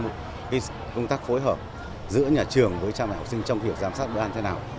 thì chúng tôi đánh giá xem công tác phối hợp giữa nhà trường với trang bài học sinh trong việc giám sát bữa ăn thế nào